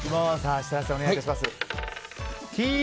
設楽さん、お願いします。